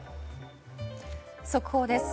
速報です。